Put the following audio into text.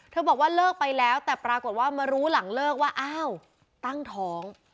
บอกว่าเลิกไปแล้วแต่ปรากฏว่ามารู้หลังเลิกว่าอ้าวตั้งท้อง